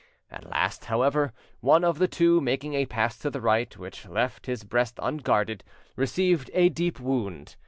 At last, however, one of the two, making a pass to the right which left his breast unguarded, received a deep wound.